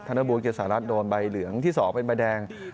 นบูรเกษารัฐโดนใบเหลืองที่๒เป็นใบแดง